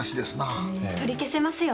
取り消せますよね？